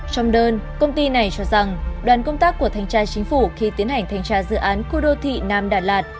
trong đơn công ty này cho rằng đoàn công tác của thanh tra chính phủ khi tiến hành thanh tra dự án khu đô thị nam đà lạt